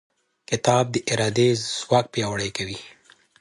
کتاب د ارادې ځواک پیاوړی کوي.